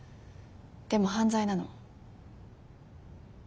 でも犯罪なの。